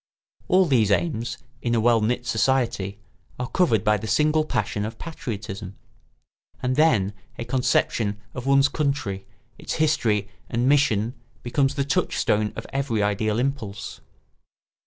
All these aims, in a well knit state, are covered by the single passion of patriotism; and then a conception of one's country, its history and mission becomes the touchstone of every ideal impulse.